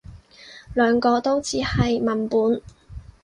兩個都只係文本